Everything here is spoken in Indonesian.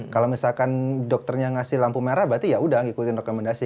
kalau misalkan dokternya ngasih lampu merah berarti ya udah ngikutin rekomendasi